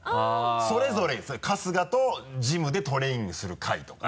それぞれ春日とジムでトレーニングする会とか。